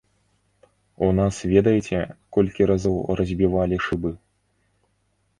У нас ведаеце, колькі разоў разбівалі шыбы?